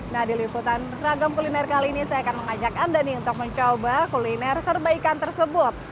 nah di liputan seragam kuliner kali ini saya akan mengajak anda nih untuk mencoba kuliner serbaikan tersebut